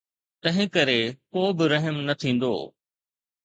تنهن ڪري ڪو به رحم نه ٿيندو.